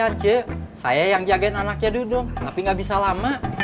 saya aja saya yang jagain anaknya dulu dong tapi gak bisa lama